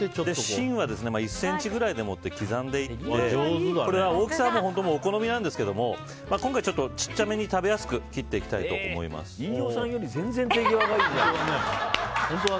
芯は１ｃｍくらいで刻んでいって大きさはお好みなんですけども今回、ちょっと小さめに食べやすく切っていきたいと飯尾さんより全然手際がいいじゃん。